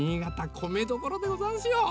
こめどころでござんすよ！